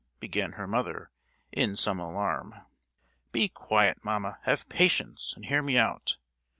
began her mother, in some alarm. "Be quiet, mamma; have patience, and hear me out.